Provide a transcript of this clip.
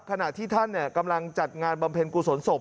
ขณะที่ท่านกำลังจัดงานบำเพ็ญกุศลศพ